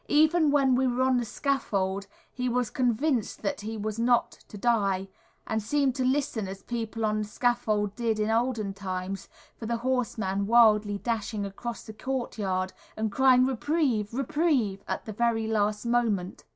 Even when we were on the scaffold he was convinced that he was not to die, and seemed to listen as people on the scaffold did in olden times, for the horseman wildly dashing across the court yard and crying, "Reprieve! Reprieve!" at the very last moment.